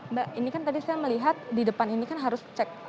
mbak ini kan tadi saya melihat di depan ini kan harus cek